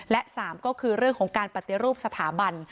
และ๓ก็คือเรื่องของการปฏิรูปสถาบัน